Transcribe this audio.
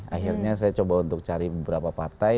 akhirnya saya coba untuk cari beberapa partai